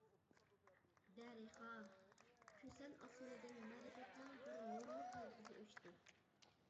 دەرىخا، كۈسەن ئاسمىنىدىن مەرىپەتنىڭ بىر نۇرلۇق يۇلتۇزى ئۆچتى.